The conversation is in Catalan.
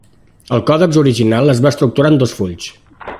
El còdex original es va estructurar en dos fulls.